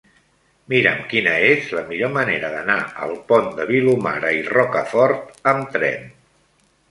Mira'm quina és la millor manera d'anar al Pont de Vilomara i Rocafort amb tren.